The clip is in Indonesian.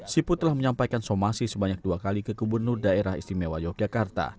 siput telah menyampaikan somasi sebanyak dua kali ke gubernur daerah istimewa yogyakarta